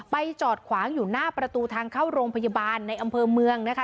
จอดขวางอยู่หน้าประตูทางเข้าโรงพยาบาลในอำเภอเมืองนะคะ